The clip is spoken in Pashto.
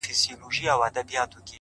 ددغه خلگو په كار؛ كار مه لره؛